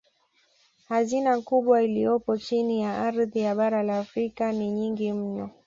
Hazina kubwa iliyopo chini ya ardhi ya bara la Afrika ni nyingi mno